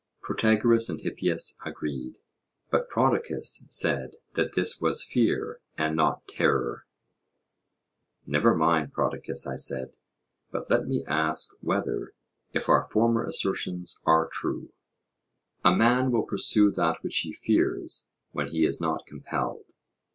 Protagoras and Hippias agreed, but Prodicus said that this was fear and not terror. Never mind, Prodicus, I said; but let me ask whether, if our former assertions are true, a man will pursue that which he fears when he is not compelled?